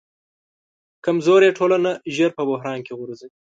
کمزورې ټولنه ژر په بحران کې غورځي.